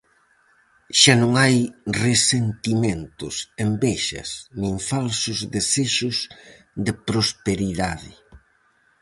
Xa non hai resentimentos, envexas, nin falsos desexos de prosperidade.